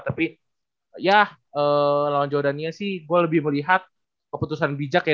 tapi ya lawan jordania sih gue lebih melihat keputusan bijak ya